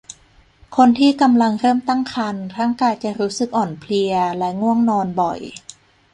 คนที่กำลังเริ่มตั้งครรภ์ร่างกายจะรู้สึกอ่อนเพลียและง่วงนอนบ่อย